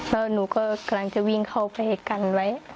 แล้วหนูก็กำลังจะวิ่งเข้าไปกันไว้